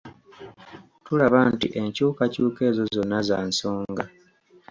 Tulaba nti enkyukakyuka ezo zonna za nsonga.